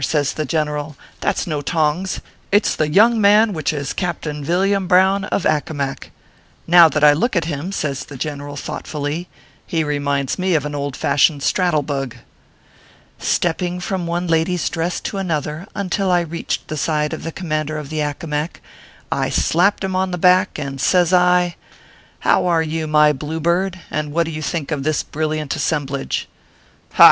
says the general, "that s no tongs. It s the young man which is Captain Villiam Brown, of Accomac. Now that I look at him," says the gen ORPHEUS C. KERR PAPERS. 199 eral, thoughtfully, "he reminds me of an old fashioned straddle bug." Stepping from one lady s dress to another, until I reached the side of the Commander of the Aecomac, I slapped him on the back, and says I :" How are you, my blue bird ; and what do you think of this brilliant assemblage ?"" Ha